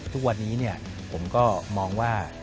ทุกวันนี้ผมก็มองว่า